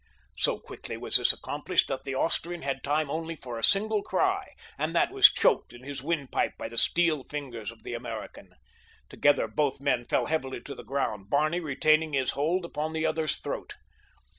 So quickly was this accomplished that the Austrian had time only for a single cry, and that was choked in his windpipe by the steel fingers of the American. Together both men fell heavily to the ground, Barney retaining his hold upon the other's throat.